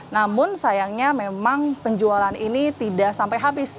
namun sayangnya memang penjualan ini tidak sampai habis